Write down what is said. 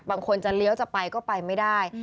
บางคนจะเลี้ยวจะไปก็ไปไม่ได้